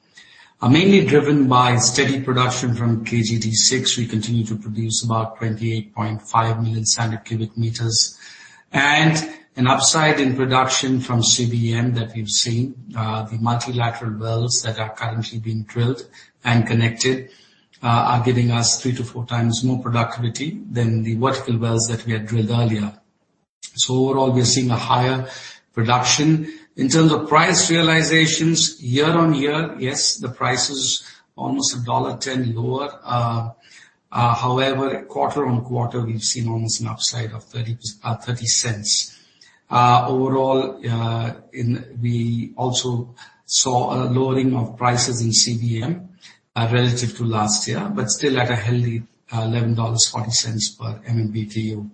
Mainly driven by steady production from KG-D6. We continue to produce about 28.5 million standard cubic meters, and an upside in production from CBM that we've seen. The multilateral wells that are currently being drilled and connected are giving us 3-4 times more productivity than the vertical wells that we had drilled earlier. So overall, we are seeing a higher production. In terms of price realizations year on year, yes, the price is almost a dollar ten lower. However, quarter on quarter, we've seen almost an upside of $0.30. Overall, we also saw a lowering of prices in CBM relative to last year, but still at a healthy $11.40 per MMBTU.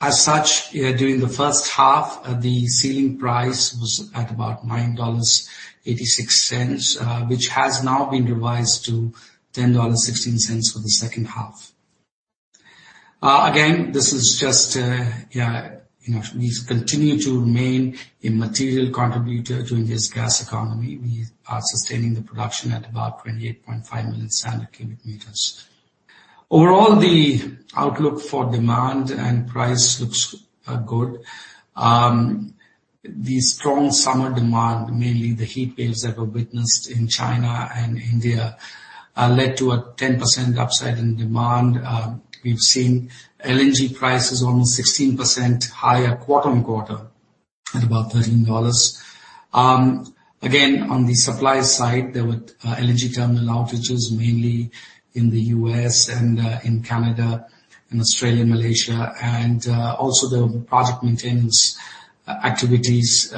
As such, during the first half, the ceiling price was at about $9.86, which has now been revised to $10.16 for the second half. Again, this is just, yeah, you know, we continue to remain a material contributor to India's gas economy. We are sustaining the production at about 28.5 million standard cubic meters. Overall, the outlook for demand and price looks good. The strong summer demand, mainly the heat waves that were witnessed in China and India, led to a 10% upside in demand. We've seen LNG prices almost 16% higher quarter on quarter, at about $13. Again, on the supply side, there were LNG terminal outages, mainly in the U.S. and in Canada, and Australia, Malaysia, and also there were project maintenance activities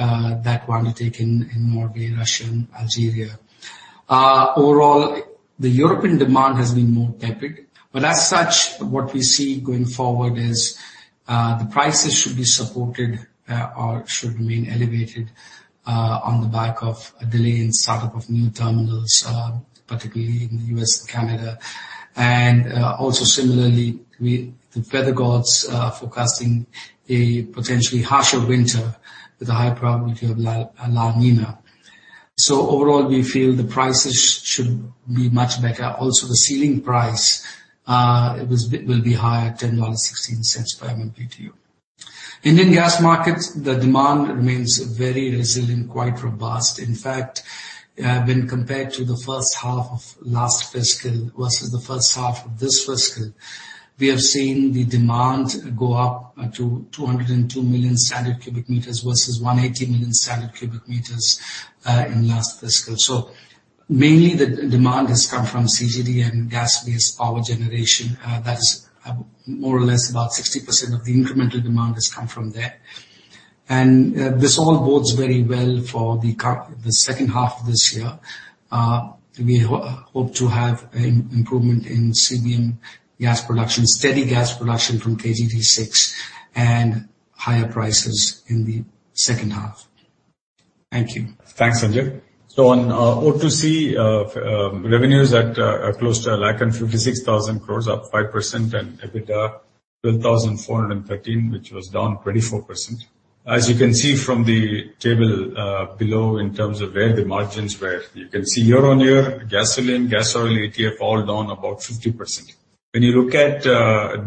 that were undertaken in Norway, Russia, and Algeria. Overall, the European demand has been more tepid, but as such, what we see going forward is the prices should be supported or should remain elevated on the back of a delay in startup of new terminals, particularly in the U.S. and Canada. Also similarly, the weather gods are forecasting a potentially harsher winter with a high probability of La Niña. Overall, we feel the prices should be much better. Also, the ceiling price, it will be higher, $10.16 per MMBTU. Indian gas markets, the demand remains very resilient, quite robust. In fact, when compared to the first half of last fiscal versus the first half of this fiscal, we have seen the demand go up to 202 million standard cubic meters versus 180 million standard cubic meters in last fiscal. So mainly, the demand has come from CGD and gas-based power generation. That's more or less about 60% of the incremental demand has come from there. And this all bodes very well for the second half of this year. We hope to have an improvement in CBM gas production, steady gas production from KG-D6, and higher prices in the second half. Thank you.
Thanks, Sanjay. So on O2C, revenues at close to 1.56 lakh crores, up 5%, and EBITDA 12,413, which was down 24%. As you can see from the table below, in terms of where the margins were, you can see year on year, gasoline, gas oil, ATF, all down about 50%. When you look at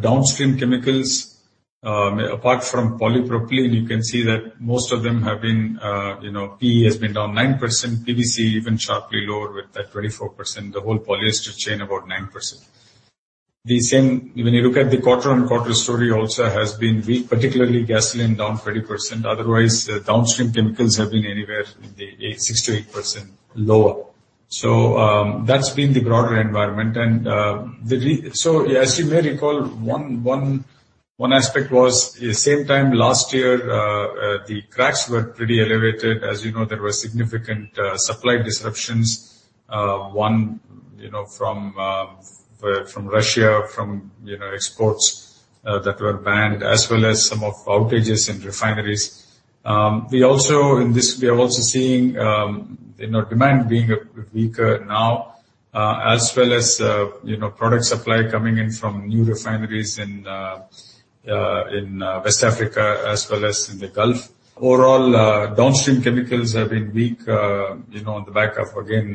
downstream chemicals, apart from polypropylene, you can see that most of them have been, you know, PE has been down 9%, PVC even sharply lower with at 24%, the whole polyester chain, about 9%. The same, when you look at the quarter on quarter story, also has been weak, particularly gasoline down 30%. Otherwise, downstream chemicals have been anywhere in the 6 to 8% lower. So, that's been the broader environment. As you may recall, one aspect was the same time last year, the cracks were pretty elevated. As you know, there were significant supply disruptions. One, you know, from Russia, from, you know, exports that were banned, as well as some outages in refineries. We are also seeing, you know, demand being a bit weaker now, as well as, you know, product supply coming in from new refineries in West Africa as well as in the Gulf. Overall, downstream chemicals have been weak, you know, on the back of again,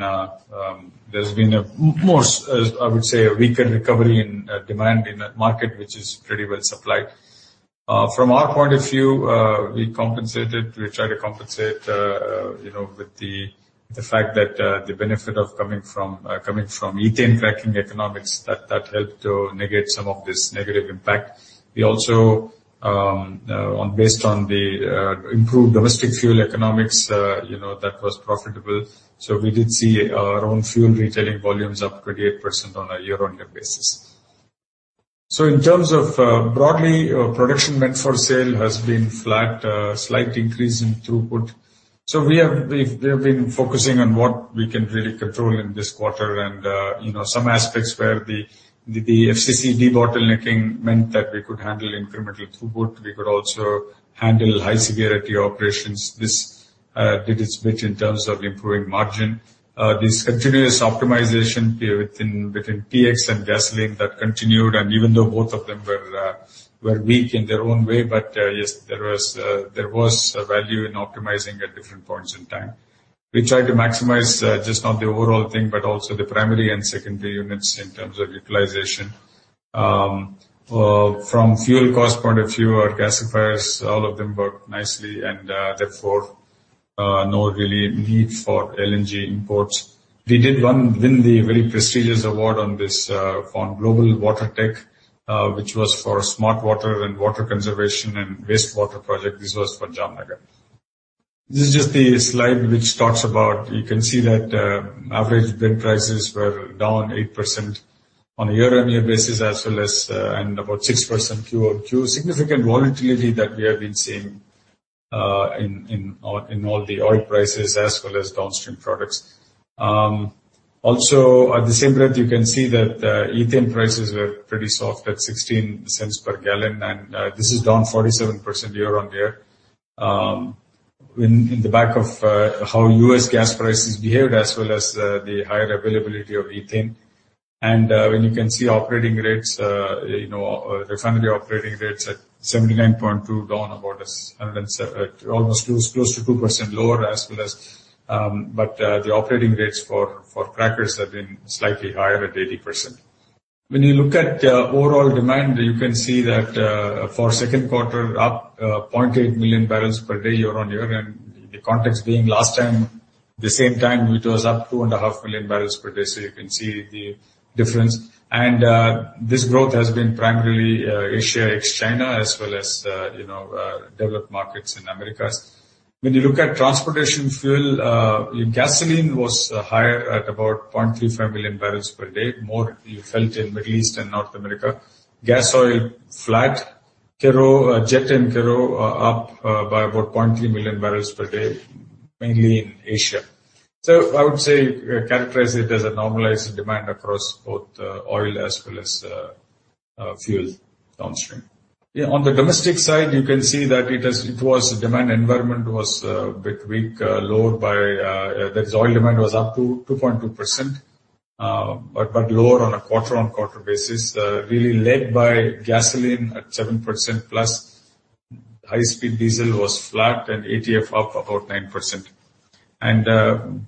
there's been a more, I would say, a weaker recovery in demand in that market, which is pretty well supplied. From our point of view, we compensated. We tried to compensate, you know, with the fact that the benefit of coming from ethane cracking economics, that helped to negate some of this negative impact. We also, based on the improved domestic fuel economics, you know, that was profitable. So we did see our own fuel retailing volumes up 28% on a year-on-year basis. So in terms of, broadly, our production meant for sale has been flat, slight increase in throughput. So we've been focusing on what we can really control in this quarter. And, you know, some aspects where the FCC debottlenecking meant that we could handle incremental throughput. We could also handle high severity operations. This did its bit in terms of improving margin. This continuous optimization here within, between PX and gasoline, that continued, and even though both of them were weak in their own way, but, yes, there was value in optimizing at different points in time. We tried to maximize, just not the overall thing, but also the primary and secondary units in terms of utilization. From fuel cost point of view, our gasifiers, all of them worked nicely, and, therefore, no really need for LNG imports. We did win the very prestigious award on this, on Global Water Tech, which was for smart water and water conservation and wastewater project. This was for Jamnagar. This is just the slide which talks about... You can see that average Brent prices were down 8% on a year-on-year basis, as well as and about 6% Q over Q. Significant volatility that we have been seeing in all the oil prices as well as downstream products. Also, in the same breath, you can see that ethane prices were pretty soft at $0.16 per gallon, and this is down 47% year-on-year. In the back of how U.S. gas prices behaved as well as the higher availability of ethane. And when you can see operating rates, you know, the refinery operating rates at 79.2, down about 107, almost close to 2% lower as well as, but the operating rates for crackers have been slightly higher at 80%. When you look at overall demand, you can see that for second quarter, up 0.8 million barrels per day, year-on-year, and the context being last time, the same time, it was up 2.5 million barrels per day. So you can see the difference. And this growth has been primarily Asia, ex-China, as well as you know developed markets in Americas. When you look at transportation fuel, gasoline was higher at about 0.35 million barrels per day. More was felt in Middle East and North America. Gas oil, flat. Kero, jet and kero, up by about 0.3 million barrels per day, mainly in Asia. So I would say characterize it as a normalized demand across both oil as well as fuel downstream. Yeah, on the domestic side, you can see that demand environment was a bit weak, lower by... That oil demand was up 2.2%, but lower on a quarter-on-quarter basis, really led by gasoline at 7%, plus high-speed diesel was flat and ATF up about 9%. And, you know,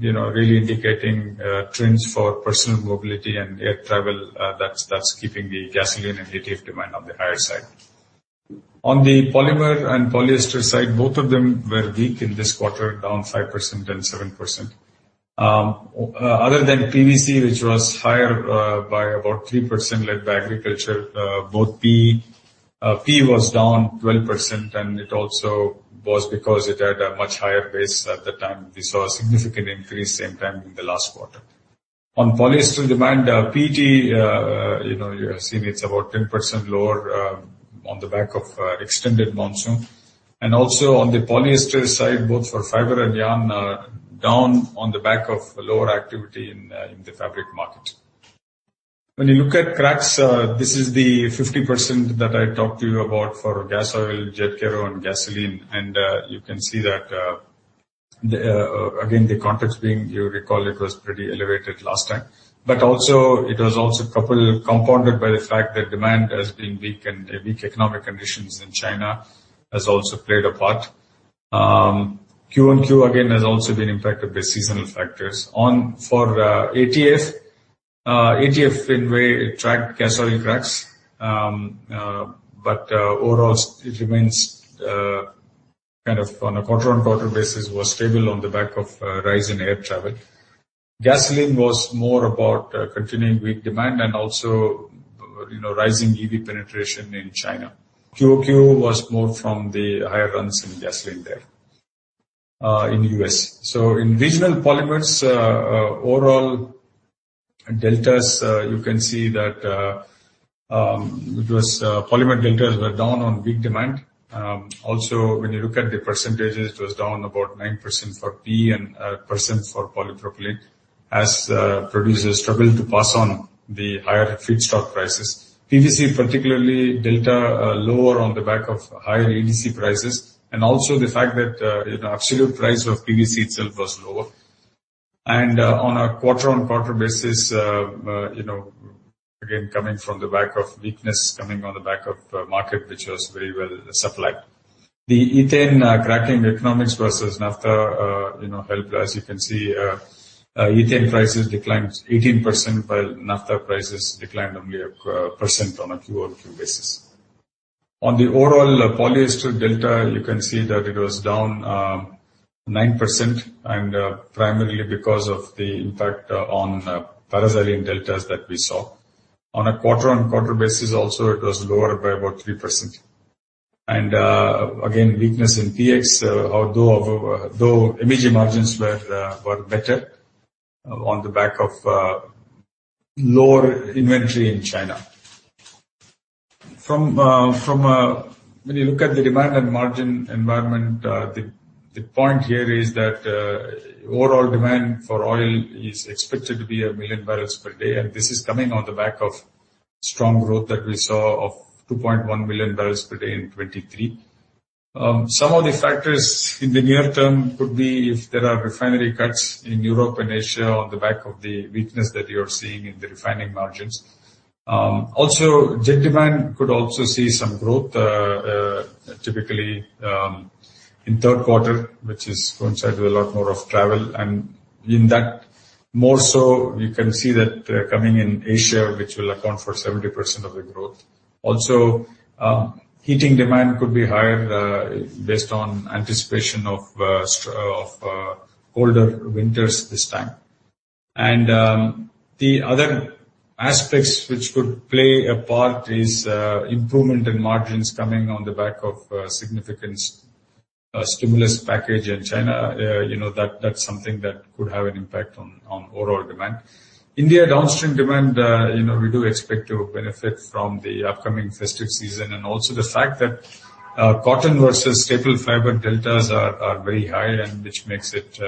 really indicating trends for personal mobility and air travel, that's keeping the gasoline and ATF demand on the higher side. On the polymer and polyester side, both of them were weak in this quarter, down 5% and 7%. Other than PVC, which was higher by about 3%, led by agriculture, PE was down 12%, and it also was because it had a much higher base at the time. We saw a significant increase same time in the last quarter. On polyester demand, PG, you know, you have seen it's about 10% lower, on the back of, extended monsoon. And also, on the polyester side, both for fiber and yarn, down on the back of lower activity in the fabric market. When you look at cracks, this is the 50% that I talked to you about for gas oil, jet kero, and gasoline. And, you can see that, again, the context being, you recall, it was pretty elevated last time. But also, it was also coupled compounded by the fact that demand has been weak, and weak economic conditions in China has also played a part. Q over Q, again, has also been impacted by seasonal factors. On... For ATF, anyway tracked gasoline cracks. But overall, it remains kind of on a quarter-on-quarter basis, was stable on the back of rise in air travel. Gasoline was more about continuing weak demand and also, you know, rising EV penetration in China. Q over Q was more from the higher runs in gasoline there in the U.S.. So in regional polymers, overall deltas, you can see that it was, polymer deltas were down on weak demand. Also, when you look at the percentages, it was down about 9% for PE and 8% for polypropylene, as producers struggled to pass on the higher feedstock prices. PVC, particularly delta, lower on the back of higher EDC prices, and also the fact that, you know, absolute price of PVC itself was lower. On a quarter-on-quarter basis, you know, again, coming from the back of weakness, coming on the back of market, which was very well supplied. The ethane cracking economics versus naphtha, you know, helped, as you can see, ethane prices declined 18%, while naphtha prices declined only 1% on a Q over Q basis. On the overall polyester delta, you can see that it was down 9%, and primarily because of the impact on paraxylene deltas that we saw. On a quarter-on-quarter basis also, it was lower by about 3%. Again, weakness in PX, although MEG margins were better on the back of lower inventory in China. When you look at the demand and margin environment, the point here is that overall demand for oil is expected to be 1 million barrels per day, and this is coming on the back of strong growth that we saw of 2.1 million barrels per day in 2023. Some of the factors in the near term could be if there are refinery cuts in Europe and Asia on the back of the weakness that you're seeing in the refining margins. Also, jet demand could also see some growth, typically in third quarter, which is coincided with a lot more of travel. In that, more so, you can see that coming in Asia, which will account for 70% of the growth. Also, heating demand could be higher based on anticipation of colder winters this time. The other aspects which could play a part is improvement in margins coming on the back of significant stimulus package in China. You know, that's something that could have an impact on overall demand. India downstream demand, you know, we do expect to benefit from the upcoming festive season, and also the fact that cotton versus staple fiber deltas are very high, and which makes it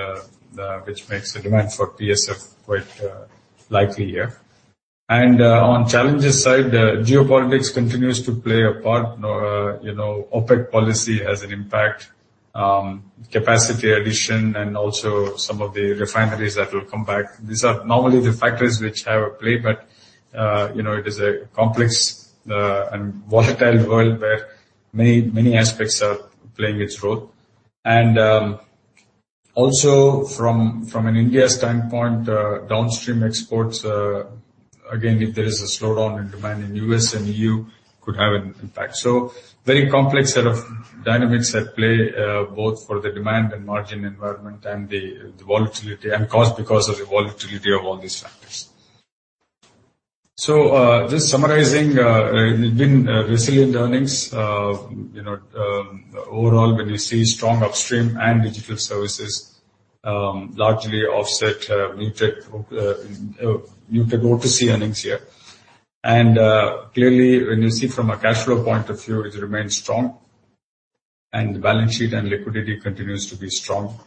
which makes the demand for PSF quite likely here. On challenges side, geopolitics continues to play a part. You know, OPEC policy has an impact, capacity addition, and also some of the refineries that will come back. These are normally the factors which have a play, but you know, it is a complex and volatile world where many, many aspects are playing its role. Also from an India standpoint, downstream exports again, if there is a slowdown in demand in U.S. and E.U., could have an impact. So very complex set of dynamics at play, both for the demand and margin environment and the volatility and cost because of the volatility of all these factors. So, just summarizing, we've been resilient earnings. You know, overall, when you see strong upstream and digital services, largely offset muted O2C earnings here. Clearly, when you see from a cash flow point of view, it remains strong, and the balance sheet and liquidity continues to be strong.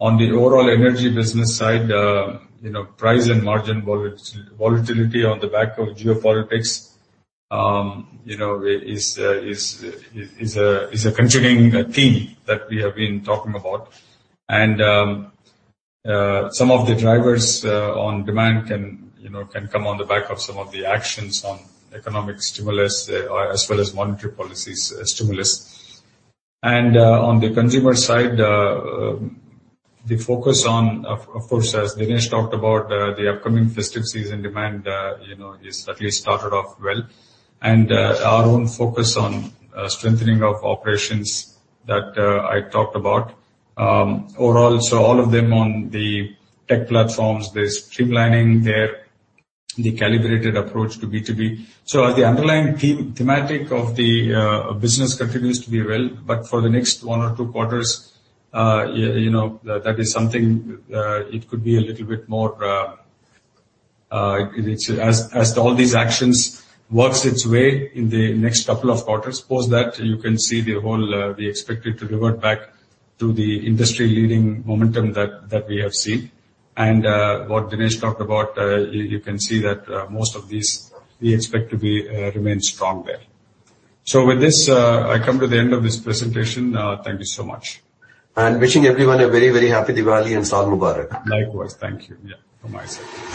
On the overall energy business side, you know, price and margin volatility on the back of geopolitics, you know, is a continuing theme that we have been talking about. Some of the drivers on demand can, you know, come on the back of some of the actions on economic stimulus, as well as monetary policies stimulus. On the consumer side, the focus on, of course, as Dinesh talked about, the upcoming festive season demand, you know, is at least started off well. Our own focus on strengthening of operations that I talked about. Overall, so all of them on the tech platforms, there's streamlining there, the calibrated approach to B2B. So the underlying theme, thematic of the business continues to be well, but for the next one or two quarters, you know, that is something, it could be a little bit more, it's. As all these actions works its way in the next couple of quarters. Post that, you can see the whole, we expect it to revert back to the industry-leading momentum that we have seen. And what Dinesh talked about, you can see that most of these we expect to be remain strong there. So with this, I come to the end of this presentation. Thank you so much.
Wishing everyone a very, very happy Diwali and Saal Mubarak.
Likewise. Thank you. Yeah, from my side.